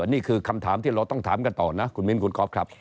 นี่คือคำถามที่เราต้องถามกันต่อนะคุณมิ้นคุณก๊อฟครับ